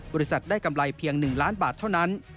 บริษัทได้กำไรเพียง๑ล้านบาทเท่านั้น